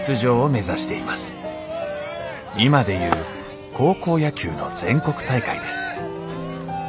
今で言う高校野球の全国大会です。